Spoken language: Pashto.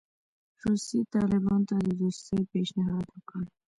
روسیې طالبانو ته د دوستۍ پېشنهاد وکړ.